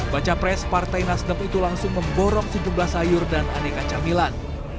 baca pres partai nasdem itu langsung memborong sejumlah sayur dan aneka camilan